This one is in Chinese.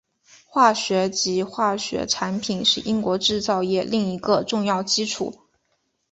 化学及化学产品是英国制造业的另一个重要基础。